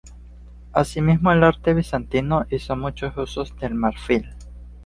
Asimismo, el arte bizantino hizo mucho uso del marfil.